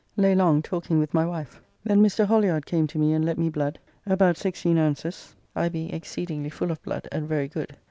Lay long talking with my wife, then Mr. Holliard came to me and let me blood, about sixteen ounces, I being exceedingly full of blood and very good.